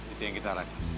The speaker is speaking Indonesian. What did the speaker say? itu yang kita harapkan